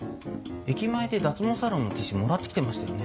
駅前で脱毛サロンのティッシュもらってきてましたよね？